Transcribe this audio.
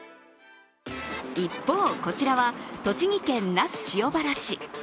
一方、こちらは栃木県那須塩原市。